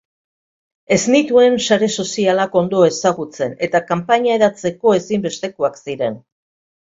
Ez nituen sare sozialak ondo ezagutzen eta kanpaina hedatzeko ezinbestekoak ziren.